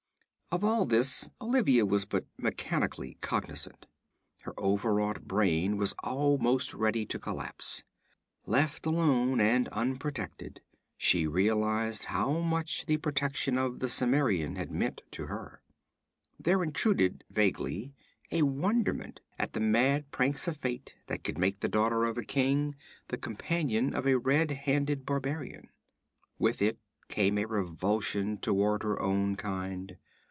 Of all this Olivia was but mechanically cognizant. Her overwrought brain was almost ready to collapse. Left alone and unprotected, she realized how much the protection of the Cimmerian had meant to her. There intruded vaguely a wonderment at the mad pranks of Fate, that could make the daughter of a king the companion of a red handed barbarian. With it came a revulsion toward her own kind.